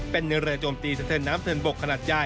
เป็นเรือเรจมตีเส้นเท่าน้ำเสนบก